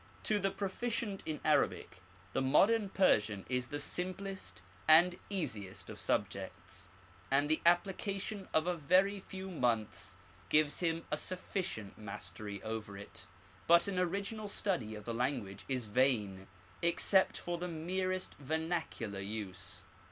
To the proficient in Arabic the modern Persian is the simplest and easiest of subjects, and the application of a very few months gives him a sufiicient mastery over it. But an original study of the language is vain, except for the merest vernacular use.